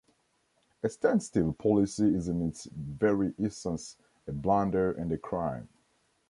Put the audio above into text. A standstill policy is in its very essence a blunder and a crime.